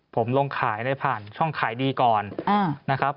ผมลงขายได้ผ่านช่องขายดีก่อนนะครับ